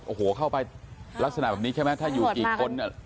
โอ้โหเข้าไปลักษณะแบบนี้แค่แม้ถ้าอยู่กี่คน